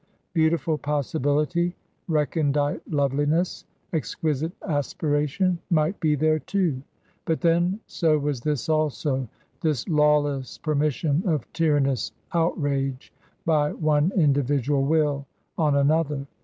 Beautiful possibility, recondite loveliness, exquisite aspiration, might be there too :— ^but, then, so was this also, this lawless permission of tyrannous out rage by one individual will on another.